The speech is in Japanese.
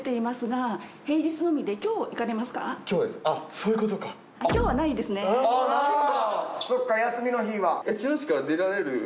そっか休みの日は。